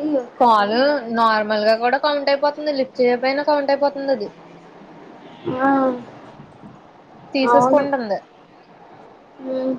ఇది ఒకటి కాలు రెండు నార్మల్ గా కూడా కౌంట్ అయిపోతుంది లిఫ్ట్ చేయ పయినా కౌంట్ అయిపోతుంది అది ఆ, అవును తీసేసుకుంటుంది హ్మ్మ్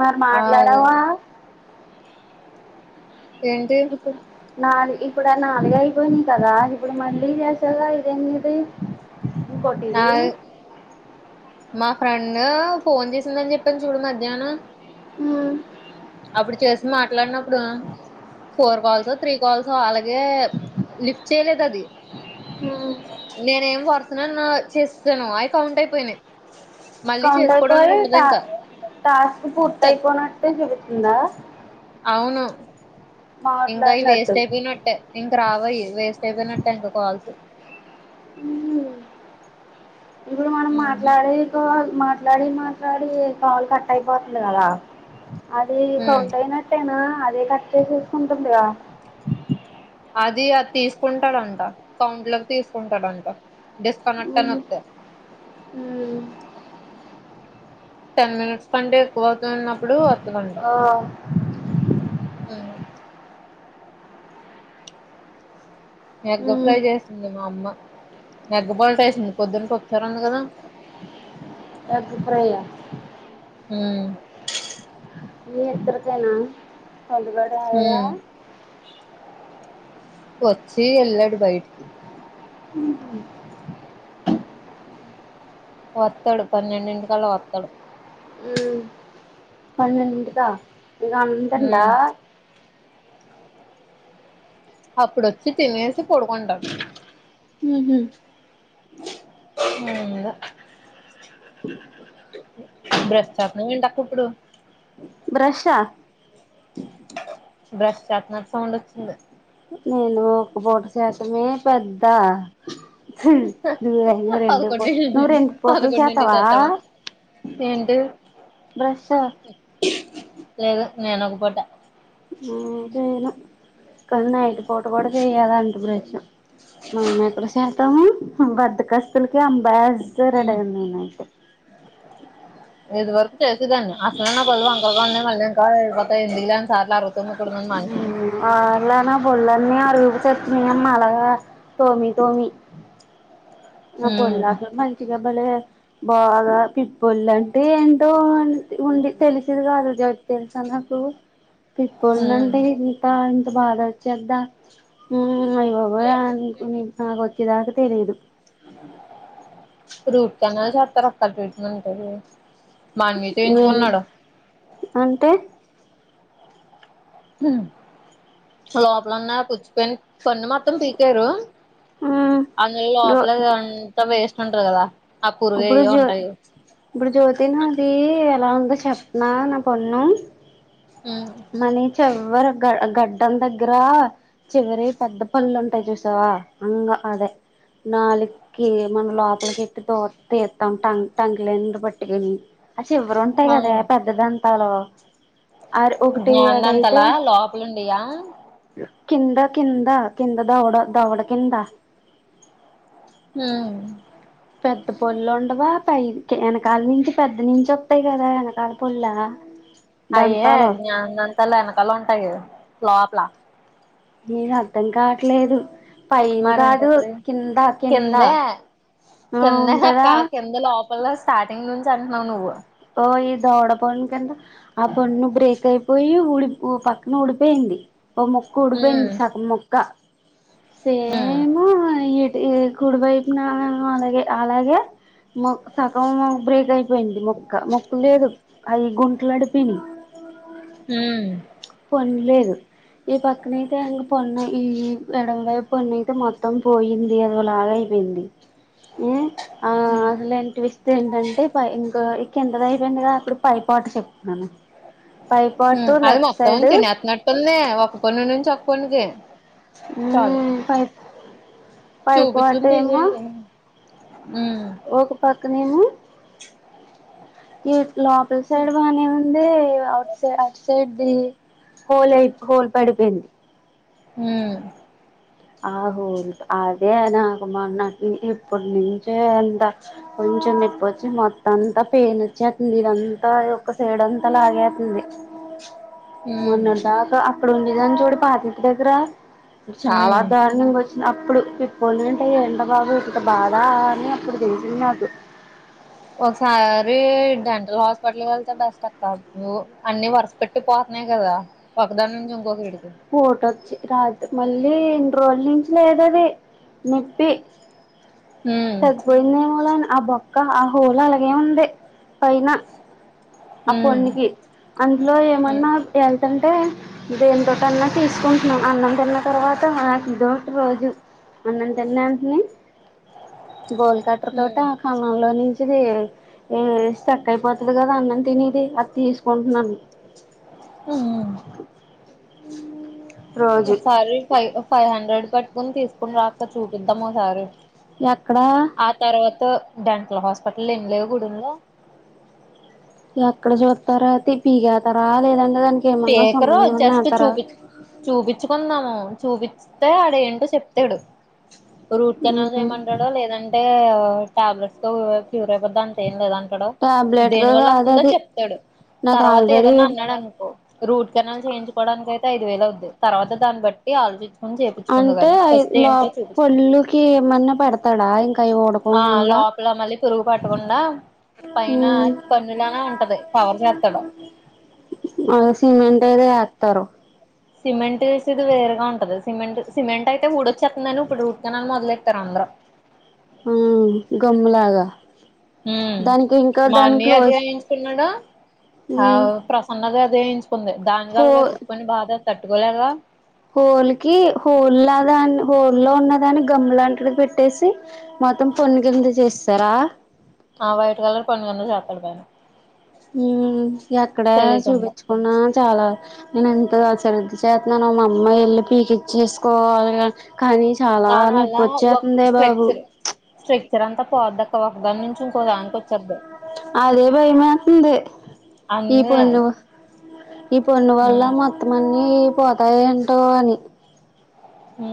మరి ఆ మాట్లాడావా ఏంటి ఇప్పుడు నాలుగు ఇప్పుడు నాలుగ అయిపోయినాయి కదా ఇప్పుడు మళ్ళీ చేసాగా ఇదన్నది ఇం నా కొటిది మా ఫ్రెండ్ ఫోన్ చేసిందని చెప్పాను చూడు మధ్యాహ్నం హ అప్పుడు చేసి మాట్లాడినప్పుడు ఫోర్ కాల్స్ త్రీ కాల్సో అలాగే లిఫ్ట్ చేయలేదు అది ఉమ్, నేనే ఏం పడుతున్నా చేస్తాను అవి కౌంట్ అయిపోయినా కౌంటయిపోయి టాస్క్ పూర్తయిపోయినట్లు చూపి అయిందా అవును ఇంకా అవి వేస్ట్ అయిపోయినట్టే. ఇంక రావయి వేస్ట్ అయిపోయినట్టే. ఇంకా కాల్స్ ఉ ఇప్పుడు మనం ఉహు మాట్లాడే కాల్ మా మాట్లాడి మాట్లాడి కాలు కట్ అయిపోతుంది కదా అది ఉమ్ కౌంట్ అయినట్టేనా? అదే కట్ చేసేస్కుంటుందిగా అది అది తీసుకుంటాడంట కౌంట్ లోకి తీసుకుంటాడంట డిస్కనట్టన్త్త అని ఉమ్. వత్తే మ్మ్ టెన్ మినిట్స్ కంటే ఎక్కువ అవుతున్నప్పుడు వ ఆ హమ్ ఎగ్గ మ్మ్ ఫ్రై చేసింది మా అమ్మ. ఎగ్గ బల్ట్ వేసింది, పొద్దున్న పప్పుచారు అన్న కదా. ఎగ్ ఫ్రై ఆ? ఉ మీ ఇద్దరికేనా? కొందుగడ ఆయ హ్మ్ [unintelligible] వచ్చి ఎలడు బయటికి హమ్ వస్తాడు పన్నెండింటికలా వస్తాడు పన్నెండిన్టికా? గంటండా హ్మ్ అప్పుడొచ్చి తినేసి పడుకుంటాడు ఉహు ఏందో. బ్రష్ చేస్తానవ ఏంటి అక్క ఇప్పుడు? బ్రష్ అ బ్రష్ చేస్తున్నట్టు సౌండ్ వచ్చింది నేను ఒక పూట చేయడమే పెద్ద నువ్వు అయితే రెండు పో నువ్వు పదకొండు రెండు పుటలు చేస్తావా? పదకొండింటికి చేత్తమా ఏంటి బ్రష్ లేదు నేను ఒక్క పూట ఆ పోయిన కానీ నైట్ పూట కూడా చెయ్యాదు అంట బ్రష్ మనం ఎప్పుడు చే చేత్తమ్ బద్దకస్తులకి అంబాసి డర్ నేనైతే ఏదివర్ చేసేదాన్ని అసలు నా పళ్ళు వంకలు పోయిన్నాయి మళ్ళీ ఇంకా పంది అంత సార్లా [unintelligible] హు ఆన్లైన్ బోలానీ రూప చెప్పిందమ్మ అలగా తోమి తోమి అ పుల్లాతో మంచిగా బలే బాగా పిప్పళ్లు అంటే ఏంటో అని ఉంది తెలిసేది కాదు జెట్ తెలుసా నాకు పిప్పళ్ళు అంటే ఏంటా అని బాధ వచ్చేది దా అయిబాబోయ్ అంతా ఆ నాకు వద్దు నాకు తెలీయదు రూట్ అనే చెప్పనక్కరలేదు అంటది ఇగ ఏంట అంటే లోపల ఉన్న పుచ్చిపోయిన పన్ను మొత్తం పీకేయరు అందులో రో లోపల అంత వేస్ట్ అంతే గద ఇప్పుడు జ్యోతి నాది ఎలా వుందో చేప్పు చెప్పనా నా పన్ను కొంచెం చివర గడ్డం దగ్గర చివరి పెద్ద పళ్లు ఉంటాయి చూసావా మ్మ్ అదే నాలుకి మన లోపలకి కిట్టి తో తీతూటం టంగ్ క్లీనర్ పట్టి అ చివర ఉంటాయి గదే పెద్దదంతం హలో జ్ఞానదంతలా లోపలలుండయా కింద కింద కింద దవడా దవడా కింద మ్మ్ హ్హ్ పెద్ద పన్ను ఉండవా పైకి వెనకాల నుంచి పెద్ద నుంచి వస్తాయి కదా వెనకాల పళ్ళు అయ్యే జ్ఞానదంతాలు ఎనకలా ఉంటయి గదా లోపల ఏం అర్థం కావట్లేదు పైన మరి ఏంటి కాదు అసలు కింద కింద ఆ కింద హా ఉంటదా కింద లోపల స్టార్టింగ్ నుంచి సన్నగా నువ్వు ఓ ఈ దవడ పన్ను కింద ఆ పన్ను బ్రేక్ అయిపోయి ఊడి పక్కన ఊడిపోయింది ఓ ముక్క ఉమ్ ఊడిపోయింది సగం ముక్క ఉమ్ సేము ఇగ ఈ కుడివైపున ఆ ఆ అలాగే అలాగే మొత్తం మ్ బ్రేక్ అయి పోయింది మో ఇ మొక్కు లేదు అవి గుంటలు అడిపిని హ్మ్మ్ పనలేదు ఈ పక్కనయితే ఇంక పొన్న ఈ ఎడ వైపు పొన్ను అయితే మొత్తం పోయింది అదోలాగా అయిపోయింది హ్మ్మ్ ఆ అసలేంటి ట్విస్ట్ ఏంటంటే ఇంకా కిందది అయిపోయింది గా అప్పుడు పై పార్ట్ కి ఎక్కుతాను పై పార్ట్ ఉమ్ లే అది మొత్తం తినేత్తనట్టుంది ఒక పన్న నుంచి ఒక ప పొన్ను కి ఇ పై పై పాటు చూపించంది ఏమో తీసేనికి ఉమ్ క్కనేేను ఈ లోపల సైడ్ బాగానే ఉంది అఔట్ సై అఔట్ సైడ్ ఇ హోల్ ఎక్కువ హోల్ పడిపోయింది హ్మ్మ్ ఆహో అదే నాకు మొన్నటునుంచే ఇప్పటి నుంచే అంత కొంచెం నప్పొచ్చి మొత్తం అంతా పెయిన్ వచ్చేంది ఇదంతా ఒక సైడ్ అంతా లాగేతుంది ఉమ్ మొన్నటిదాకా రోన్నీజను జుడు పాతిక దగర చాలా ఉమ్ ధర్నంగోచ్ అప్పుడు ఇప్పలు వింటే ఎండ్రబాబు ఇక్క బాధ అని అప్పుడు తెలిసింది నాకు ఒకసారి డెంటల్ హాస్పిటల్ వెళ్తే బెస్ట్ అక్క నువ్వు అన్ని వరుస పెట్టి పోతున్నాయి కదా ఒకదాని నుంచి ఇంకొకడి ఓటోచ్చి రాదు మళ్ళీ ఎన్ని రోజులు నుంచి లేదు అది నొప్పి హ్మ్ తగ్గిపోయిందేమో లే అని ఆ బొక్క ఆ హోలా అలాగే ఉంది పైన ఆ హ్మ్ పొన్ను కి అందులో హ్మ్ ఏమన్నా ఎ ఎంటే దేతోటన్న తీసుకుం అన్నం తిన్న తర్వాత డౌట్ రోజు అన్నం తినడానికి గోల్ కట్టర్ హ్మ్ తోటి కన్నం లోచి ది ఏంది స్ట్రక్ అయిపోతుంది కదా అన్న తినేది అతి తీసుకుంటున్నాను అ రోజు సారి ఫ ఫైవ్ హండ్రెడ్ పట్టుకుని తీసుకుని రాక చూపిద్దాం ఓసారి ఎక్కడా డెంటల్ హాస్పిటల్ ఎన్ని లేవు గూడెంలో ఎక్కడ చూస్తారా అయితే పిగతారా లేదంట పేకరు జస్ట్ చూపి చూపించుకుందాము చూపితే అడి చెప్తాడు రూట్ కెనాల్స్ ఉమ్ ఏమంటాడో లేదంటే తే ట్యాబ్లట్స్తో క్యూర్ అయిపోద్ అంతే ఏం లేదంటాడు టాబ్లెట్ దేని తో వల్ల కాదు అస్తుందో అది చెప్తాడు నాకు తర్వాత ఆల్రెడీ ఏదన్నా అన్నాడు అనుకో రూట్ కెనాల్ చేయించుకోవడానికి అైతే ఐదు వేల అవుది తర్వాత దాన్ని బట్టి ఆలోచించ అంటే లో పళ్ళుకి ఏమన్నా పేడతాడా ఇంక ఆ లోపల మళ్ళీ పురుగు పట్టకుండా పైన ఉమ్ పన్నులానే ఉంటది కవర్ చేత్తడు తరు సిమెంట్ వేసేది వేరుేగా ఉంటది సిమెంట్ సిమెంట్ అయితే ఊడొచ్చేస్తుందని ఇప్పుడు రూట్ కెనాల్ మొదలెటార్ అందరు ఆ గమ్ లాగా ఉ మా అన్నియా అదే ఎయించుకున్నాడా ఆ ఉమ్ ప్రసన్నగా అదే ఎయించుకుంది హో దానిగల్గా తిప్పుకొని బాధ తట్టుకోలే గా హోల్లికి హోల్ లాగని హోలులో ఉన్నదాని గమ్ము లాంటిది పెట్టేసి మొత్తం పొన్ను కింద జేసేసర ఆ వైట్ కలర్ పండు కింద చేత్తడు పైన్ ఊ ఏక్కడ చూపించుకున్నా చాలా నేను ఎంత గా శ్రద్ధ చేస్తున్నానుో మా అమ్మాయి ఎల్లి పీకిఇచ్చేసుకోవాలి గా కానీ చాలా దాని వల్ల ఒక నొప్పొచేతందే బాబు స్ట్రక్చర్ స్ట్రక్చర్ అంతా పోద్దక్క ఒకదాని నుంచి ఇంకో దానికి వచ్చేద్ది అదే భైయమేత్తుంది ఈ అందుకే పొన్ను ఈ పొన్ను వల్ల మొత్తం అన్ ఈ పోతాయేంటో అని హూ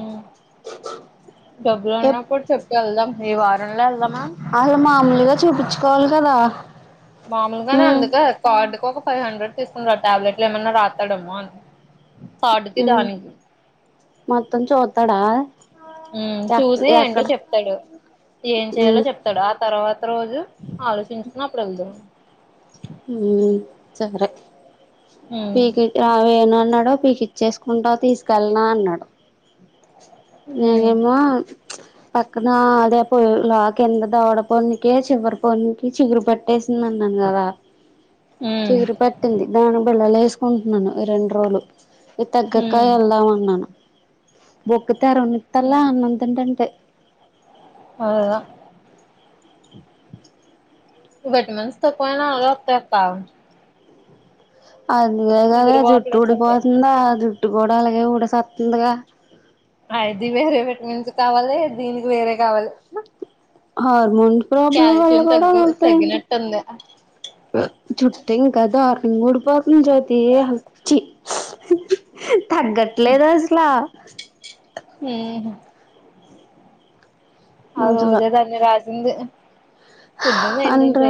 డబ్బులున్నా కూడ చెప్ ఎల్దం ఈ వార అసలు మామూలుగా చూపించుకోవాలి కదా మామూలుగానే ఉమ్ అందుకే కార్డుకొక ఫైవ్ హండ్రెడ్ తీసుకుంటడ్ ట్యాబ్లెట్లు ఏమన్నా రాత్తడేమో అని కార్డుకి ఉమ్ దానికి మొత్తం చూతాడా ఊ చూసి అంటే చెప్తాడు ఏం చెయాలో ఉమ్ చెప్తాడా తర్వాత రోజు ఆలోచించుకొని అప్ లగుద ఉమ్ సరే ఉమ్ ఈకే ఆవేనాట్ న్నాడు పీకి ఇచ్చేసుకుంటా తీసుకెళ్నా అన్నాడు ఉమ్ నేనేమ్మో ప్చ్ పక్కన అదే పుల్ల కింద దవడపొన్ కేసి చివర పొనికి చిగురు పట్టేసింది అన్నాను కదా చిగురు పట్టింది దాని బిల్లలు ఏసుకుంటున్నాను ఈ రెండు రోజులు ఈ తగ్గక ఉమ్ ఎళ్దామన్నాను బుకత్ తరున్నంతర్ల ఉమ్ అన్నం తింటుంటే అదా విటమిన్స్ తో పోయినా అగో త్తేత్తగు అందుగే గదా వాపులు జుట్టు వచ్చేస్తాయి ఊడిపోతుందా ఆ జుట్ ట్టు కూడా అలాగే ఉడెసోతుందిగా అ ఇది వేరే విటమిన్సు కావాలి దీనికి వేరే కావాలి అవును అమౌంట్ ప్రాబ్లం వల్ల కాల్షియం కూడా తగ్గి వస్తయంటా తగ్గినట్టుంది ఇంగుడు పో కుం జోతి హచ్చి హహహ [unintelligible] తగ్గట్లేదు అసలు అది ఊహు అరుదే దాని రాజ్ ఉంది అండ్ర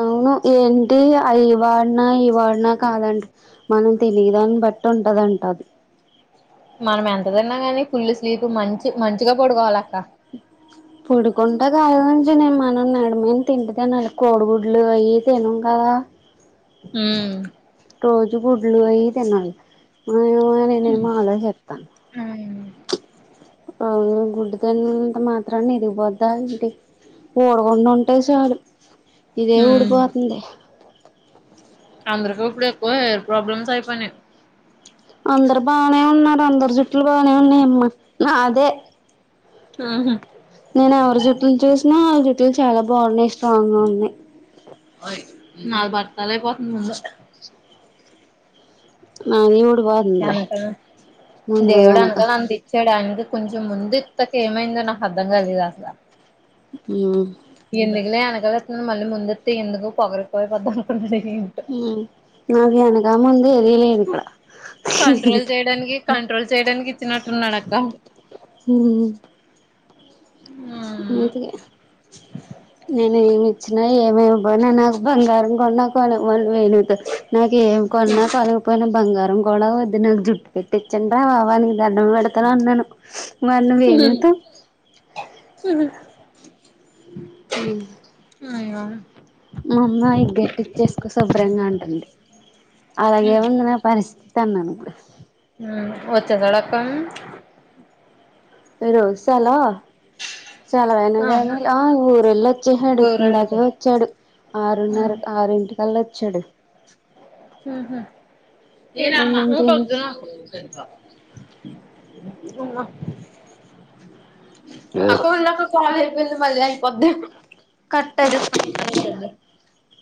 అవును ఏమి. అంటే అది వాడినా ఈ వాడినా కాదంటా మన శరీరాన్ని బట్టి ఉంటదంటా అది. మనం ఎంత తిన్నా గాని ఫుల్ స్లీప్ మంచి మంచిగా పడుకోవాలి అక్క. పడుకుంటే కాదంచి నేను మనం నడుముని తింటే తినాలి కోడిగుడ్లు అవి తినం కదా. ఉమ్. రోజు గుడ్లు అయి తినము. ఆహ్ నేను మా ఆలో చెప్తాను. ఉమ్ ఆహ్ గుడ్డు తిన్నంత మాత్రాన ఎదిగిపోద్దా ఎంటి కోడిగుడ్లు అంటే చాలు. ఇదే ఉడికి పోతుంది. అందరికి ఇప్పుడు ఎక్కువ హెయిర్ ప్రాబ్లమ్స్ అయిపోయినాయి. అందరు బానే ఉన్నారు అందరు జుట్లు బానే ఉన్నాయి అమ్మ నాదే. ఆహా. నేను ఎవరి జుట్లు చూసినా ఆళ్ జుట్లు చాలా బాగున్నాయి స్ట్రాంగ్ గా ఉన్నాయి. నాది బట్టతల అయిపోతుంది ముందే. నాది కూడా. దేవుడ వెనక అనుకోని అంతిచ్చడు అవి. కొంచెం ముందె ఇంతక ఏమైందో నాకు అర్థం కలేదు అసలు. ఉమ్. ఎందుకులే అనకలేస్తున్నాను మళ్ళీ ముందెత్తే ఎందుకు పొగిరిపోయి పోద్దు అనుకున్ నాది ముందు వెనకాల ఏం లేదు ఇక్కడ. కంట్రోల్ చేయడానికి కంట్రోల్ చేయడానికి ఇచ్చినట్టున్నాడు అక్క అందుకే నేను ఏమి ఇచ్చినా ఏమివ్వక పోయినా నాకు బంగారం కోన్న వాళ్ళు పోయినంక నాకు ఏం కొన్నా కొనకపోయినా బంగారు గొడవ వద్దు నాకు జుట్టు పెట్టిచ్చండి రా బాబా నీక్ దండం పెడతను అన్నాను. మరి నువ్వు ఏం చేస్తావ్. ఉమ్ నయ్యం. మా అమ్మా ఇ గట్టిచ్చేసుకో శుభ్రంగా ఉంటుంది అలాగేముంది నా పరిస్థితి అన్నాను ఇప్పుడు పచ్చ సడకం ఈ రోసాలా. చలవైన ఆహా కానీ ఆహ్ ఊరెళ్ళ వచ్చేసాడు ఇందాక ఊరెళ్ళిపోయాడు వచ్చాడు ఆరున్నారు ఆరుంటికి మల్లోచ్చడు. ఉహూ. ఏ నామ్మ అన్నం ఊట వద్దు తినేసి నాకు. బొంగ. అప్పు ఉళ్ ఒక కోయిలు అయిపోయింది మళ్లీ. వద్దు. కట్ అయి ఇదింద [unintelligible]